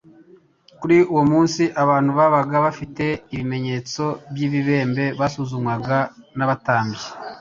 Kuri uwo munsi abantu babaga bafite ibimenyetso by'ibibembe basuzumwaga n'abatambyi.